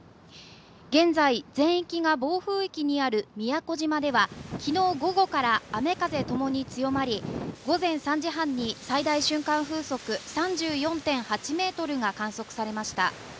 現在、全域が暴風域にある宮古島では昨日午後から雨風ともに強まり、午前３時半に最大瞬間風速３４．８メートルが観測されました。